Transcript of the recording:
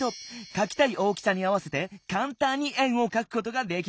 かきたい大きさに合わせてかんたんに円をかくことができるんだ。